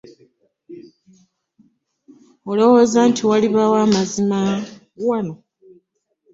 Olowooza nti walibaawo amazima wano?